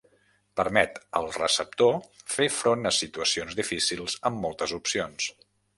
Permet al receptor fer front a situacions difícils amb moltes opcions.